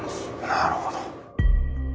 なるほど。